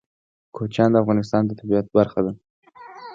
کوچیان د افغانستان د طبیعت برخه ده.